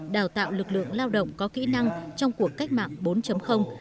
đào tạo lực lượng lao động có kỹ năng trong cuộc cách mạng bốn